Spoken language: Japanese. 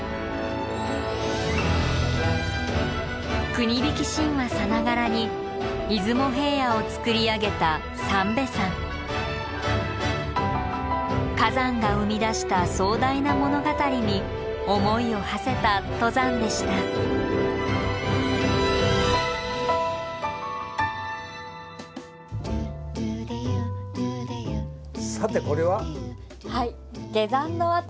国引き神話さながらに出雲平野をつくり上げた三瓶山火山が生み出した壮大な物語に思いをはせた登山でしたうわ